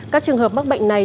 các trường hợp mắc bệnh này